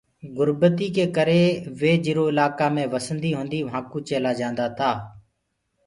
گُربتي ڪي ڪري وي جرو اِلاڪآ مي وسنديٚ هونٚديٚ وهانٚ ڪٚوُ چيلآ جآنٚدآ تآ۔